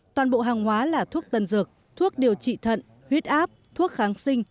toàn bộ hàng hóa là thuốc tân dược thuốc điều trị thận huyết áp thuốc kháng sinh